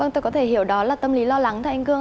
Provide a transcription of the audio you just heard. tôi có thể hiểu đó là tâm lý lo lắng